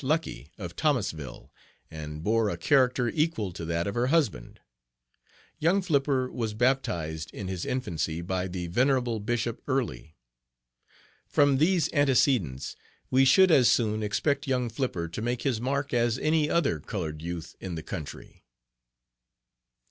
Lucky, of Thomasville, and bore a character equal to that of her husband. Young Flipper was baptized in his infancy by the venerable Bishop Early. From these antecedents we should as soon expect young Flipper to make his mark as any other colored youth in the country."